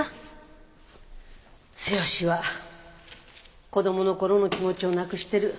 剛は子供の頃の気持ちをなくしてる。